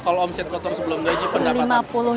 kalau omset kotor sebelum gaji pendapatan